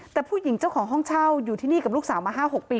แต่ผู้หญิงเจ้าของห้องเช่าอยู่ที่นี่กับลูกสาวมา๕๖ปี